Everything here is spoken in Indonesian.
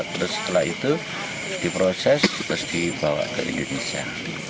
terus setelah itu diproses terus dibawa ke indonesia